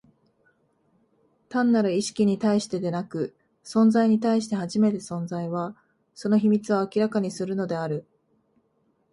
単なる意識に対してでなく、存在に対して初めて、存在は、その秘密を明らかにするのである。